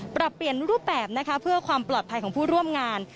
ปรับเปลี่ยนรูปแบบนะคะเพื่อความปลอดภัยของผู้ร่วมงาน